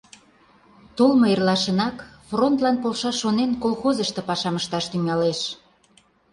Толмо эрлашынак, фронтлан полшаш шонен, колхозышто пашам ышташ тӱҥалеш.